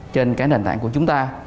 trên cái nền tảng của chúng ta